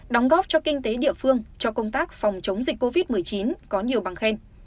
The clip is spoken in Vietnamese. đóng góp cho kinh tế địa phương cho công tác phòng chống dịch covid một mươi chín có nhiều bằng khen